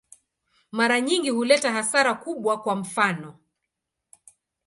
Mara nyingi huleta hasara kubwa, kwa mfano.